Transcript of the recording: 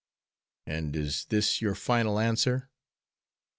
"And is this your final answer?"